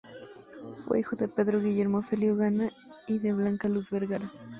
Fue hijo de Pedro Guillermo Feliú Gana y de Blanca Cruz Vergara.